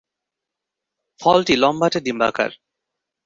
ফলটি লম্বাটে ডিম্বাকার।